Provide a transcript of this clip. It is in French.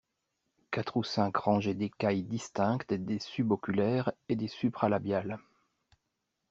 Quatre ou cinq rangées d'écailles distinctes des suboculaires et des supralabiales.